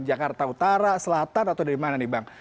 jakarta utara selatan atau dari mana nih bang